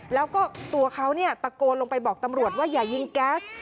แล้วก็ตัวเขาตะโกนลงไปบอกตำรวจว่าอย่ายิงแก๊ส